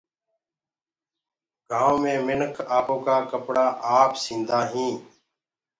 گآئونٚ مي منک آپو ڪآ ڪپڙآ آپ سيندآ هينٚ۔